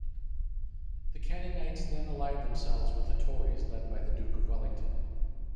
The Canningites then allied themselves with the Tories, led by the Duke of Wellington.